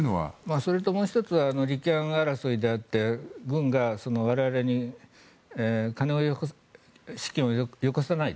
それと、もう１つは利権争いであって軍が我々に資金をよこさないと。